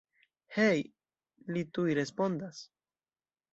Hej, li tuj respondas.